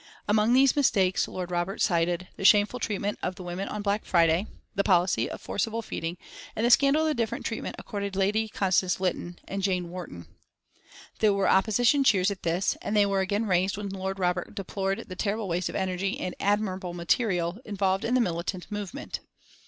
Among these mistakes Lord Robert cited the shameful treatment of the women on Black Friday, the policy of forcible feeding and the scandal of the different treatment accorded Lady Constance Lytton and "Jane Warton." There were Opposition cheers at this, and they were again raised when Lord Robert deplored the terrible waste of energy, and "admirable material" involved in the militant movement.